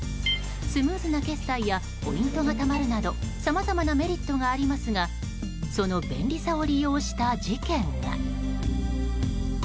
スムーズな決済やポイントがたまるなどさまざまなメリットがありますがその便利さを利用した事件が。